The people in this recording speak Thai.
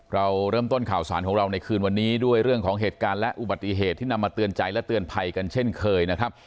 เราเริ่มต้นข่าวสารของเราในคืนวันนี้ด้วยเรื่องของเหตุการณ์และอุบัติเหตุที่นำมาเตือนใจและเตือนภัยกันเช่นเคยนะครับ